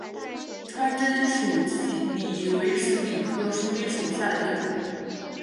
川滇鼠李为鼠李科鼠李属下的一个种。